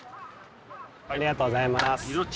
ありがとうございます。